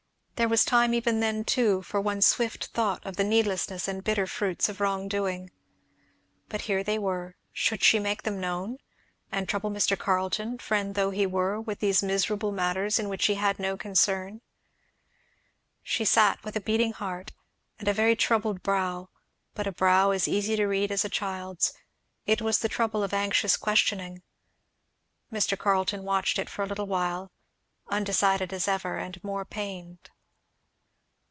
There was time even then too for one swift thought of the needlessness and bitter fruits of wrong doing. But here they were; should she make them known? and trouble Mr. Carleton, friend though he were, with these miserable matters in which he had no concern? She sat with a beating heart and a very troubled brow, but a brow as easy to read as a child's. It was the trouble of anxious questioning. Mr. Carleton watched it for a little while, undecided as ever, and more pained.